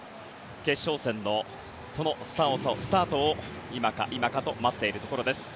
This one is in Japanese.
決勝戦のそのスタートを今か今かと待っているところです。